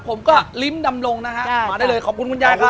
ผมก็ลิ้มดำลงนะฮะมาได้เลยขอบคุณคุณยายครับ